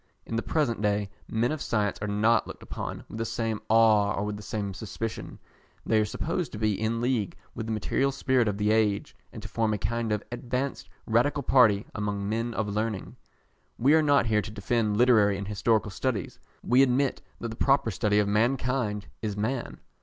In the present day, men of science are not looked upon with the same awe or with the same suspicion. They are supposed to be in league with the material spirit of the age, and to form a kind of advanced Radical party among men of learning. We are not here to defend literary and historical studies. We admit that the proper study of mankind is man.